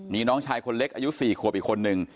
มีน้องชายคนเล็กอายุ๔ขวบอีกคนนึง